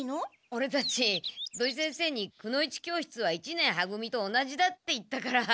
オレたち土井先生にくの一教室は一年は組と同じだって言ったから。